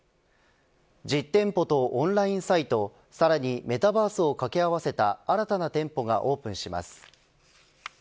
実店舗とオンラインサイトさらにメタバースを掛け合わせた新たな店舗がオープンします。